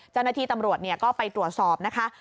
เจ้าหน้าที่ตำรวจก็ไปตรวจสอบนะคะ